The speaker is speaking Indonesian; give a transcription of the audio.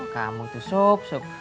kamu tuh sup sup